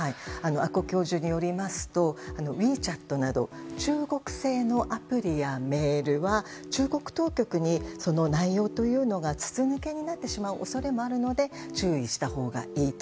阿古教授によりますとＷｅＣｈａｔなど中国製のアプリやメールは中国当局にその内容というのが筒抜けになる恐れもあるので注意したほうがいいと。